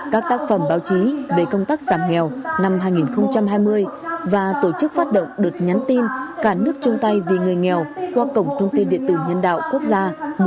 các tác phẩm báo chí về công tác giảm nghèo năm hai nghìn hai mươi và tổ chức phát động đợt nhắn tin cả nước chung tay vì người nghèo qua cổng thông tin điện tử nhân đạo quốc gia một nghìn bốn trăm linh tám